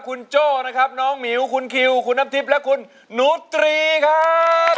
คุณโจ้นะครับน้องหมิวคุณคิวคุณน้ำทิพย์และคุณหนูตรีครับ